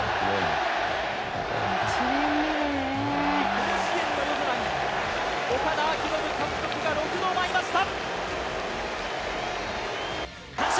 甲子園の夜空に岡田彰布監督が舞いました！